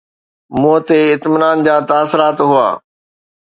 منهن تي اطمينان جا تاثرات هئا